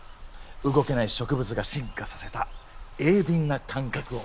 動けない植物が進化させた鋭敏な感覚を。